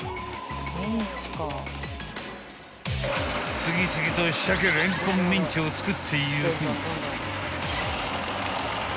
［次々と鮭レンコンミンチを作っていく］